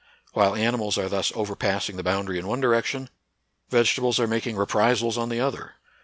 "While animals are thus overpassing the boimdary in one direction, vegetables are mak ing reprisals on the other.